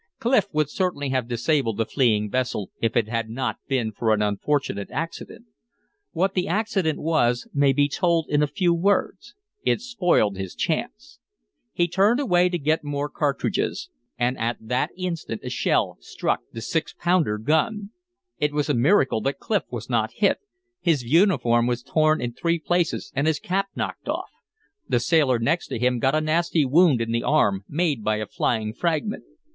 Clif would certainly have disabled the fleeing vessel if it had not been for an unfortunate accident. What the accident was may be told in a few words. It spoiled his chance. He turned away to get more cartridges. And at that instant a shell struck the six pounder gun. It was a miracle that Clif was not hit; his uniform was torn in three places and his cap knocked off. The sailor next to him got a nasty wound in the arm, made by a flying fragment.